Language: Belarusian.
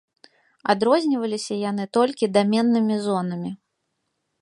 Адрозніваліся яны толькі даменнымі зонамі.